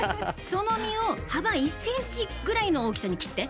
その実を幅１ｃｍぐらいの大きさに切って。